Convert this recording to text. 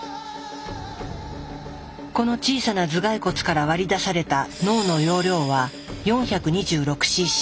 この小さな頭蓋骨から割り出された脳の容量は４２６ｃｃ。